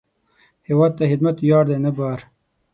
هیواد ته خدمت ویاړ دی، نه بار